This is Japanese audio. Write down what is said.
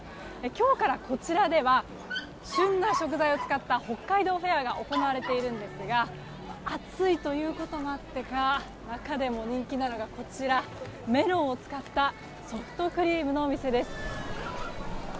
今日からこちらでは旬な食材を使った北海道フェアが行われていますが暑いためもあってか中でも人気なのがメロンを使ったソフトクリームのお店です。